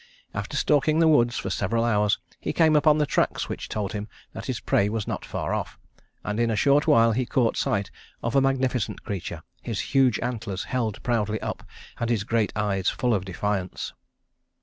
After stalking the woods for several hours, he came upon the tracks which told him that his prey was not far off, and in a short while he caught sight of a magnificent creature, his huge antlers held proudly up and his great eyes full of defiance.